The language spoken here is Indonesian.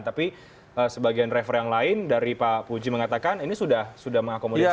tapi sebagian driver yang lain dari pak puji mengatakan ini sudah mengakomodir